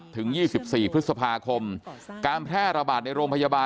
ถึง๒๔พฤษภาคมการแพร่ระบาดในโรงพยาบาล